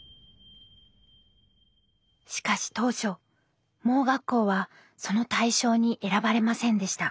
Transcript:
しかし当初盲学校はその対象に選ばれませんでした。